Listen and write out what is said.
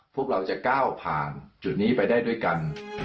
พวกเราจะก้าวผ่านจุดนี้ไปได้ด้วยกัน